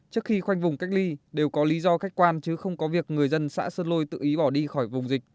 trước khi khoanh vùng cách ly đều có lý do khách quan chứ không có việc người dân xã sơn lôi tự ý bỏ đi khỏi vùng dịch